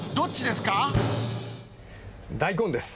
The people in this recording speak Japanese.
大根です。